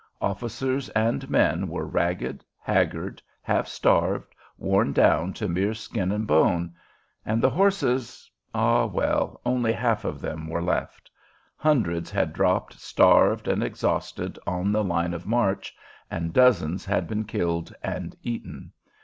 Officers and men were ragged, haggard, half starved, worn down to mere skin and bone; and the horses, ah, well, only half of them were left: hundreds had dropped starved and exhausted on the line of march, and dozens had been killed and eaten.